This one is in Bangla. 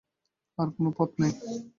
আর কোনো পথ নেই।